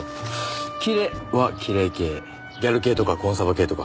「キレ」はキレイ系ギャル系とかコンサバ系とか。